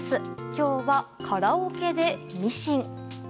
今日は、カラオケでミシン。